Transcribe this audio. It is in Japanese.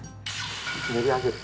練り上げる。